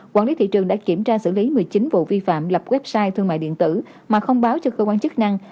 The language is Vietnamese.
quản lý thị trường đã kiểm tra xử lý một mươi chín vụ vi phạm lập website thương mại điện tử mà không báo cho cơ quan chức năng